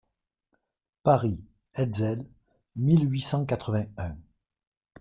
Paris, Hetzel, mille huit cent quatre-vingt-un.